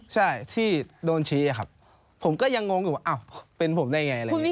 ใช่ที่โดนชี้ครับผมก็ยังงงอยู่ว่าอ้าวเป็นผมได้ไงอะไรอย่างนี้